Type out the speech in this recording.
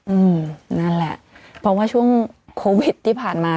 อืมนั่นแหละเพราะว่าช่วงโควิดที่ผ่านมา